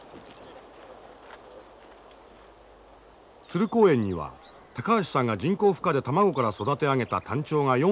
鶴公園には高橋さんが人工孵化で卵から育て上げたタンチョウが４羽いる。